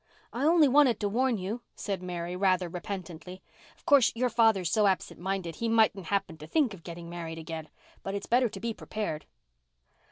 "I only wanted to warn you," said Mary, rather repentantly. "Of course, your father's so absent minded he mightn't happen to think of getting married again. But it's better to be prepared."